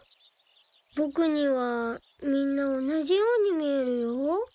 僕にはみんなおなじように見えるよ。